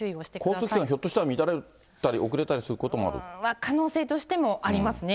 交通機関、ひょっとしたら乱れたり、遅れたりすることもある可能性としてもありますね。